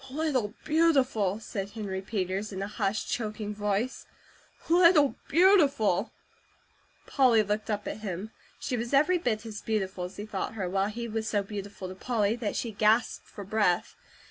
"Little Beautiful!" said Henry Peters in a hushed, choking voice, "Little Beautiful!" Polly looked up at him. She was every bit as beautiful as he thought her, while he was so beautiful to Polly that she gasped for breath.